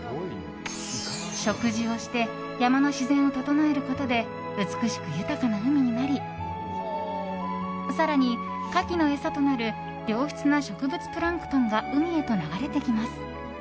植樹をして山の自然を整えることで美しく豊かな海になり更に、カキの餌となる良質な植物プランクトンが海へと流れてきます。